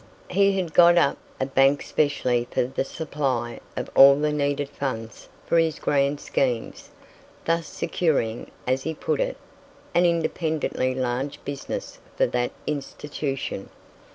He had got up a bank specially for the supply of all the needed funds for his grand schemes, thus securing, as he put it, an independently large business for that institution.